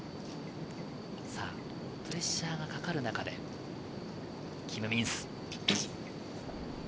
プレッシャーがかかる中でキム・ミンス。